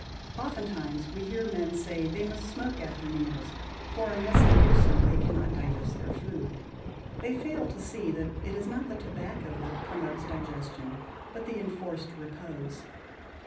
Oftentimes we hear men say they must smoke after meals, for unless they do so they cannot digest their food. They fail to see that it is not the tobacco that promotes digestion, but the enforced repose.